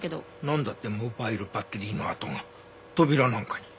なんだってモバイルバッテリーの跡が扉なんかに？